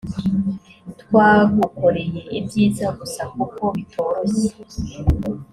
twagukoreye ibyiza gusa kuko bitoroshye